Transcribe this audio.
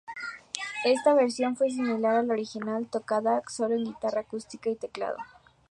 Esta versión fue similar a la original, tocada sólo en guitarra acústica y teclado.